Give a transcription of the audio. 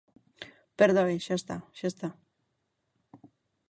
Perdoe, xa está, xa está.